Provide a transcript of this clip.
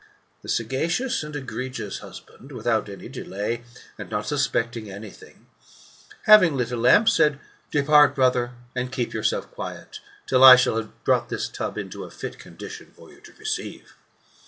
'' The sagacious and egregious husband, without any delay, and not suspecting any thing, having lit a lamp, said, " Depart, brother, and keep yourself quiet, till I shall have brought this tub into a fit condition for you to receive.'